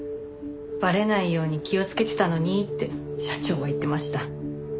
バレないように気をつけてたのにって社長は言ってました。